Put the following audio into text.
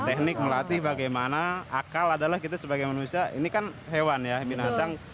teknik melatih bagaimana akal adalah kita sebagai manusia ini kan hewan ya binatang